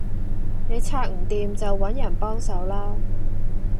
你拆唔掂就搵人幫手啦